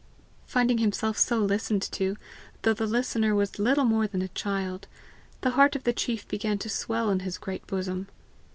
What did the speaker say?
Finding himself so listened to, though the listener was little more than a child, the heart of the chief began to swell in his great bosom.